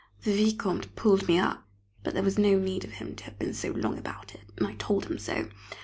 The Vicomte pulled me up, but there was no need of him to have been so long about it, and I told him so.